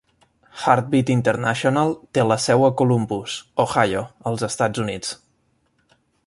Heartbeat International té la seu a Columbus, Ohio, als Estats Units.